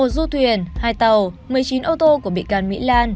một du thuyền hai tàu một mươi chín ô tô của bị can mỹ lan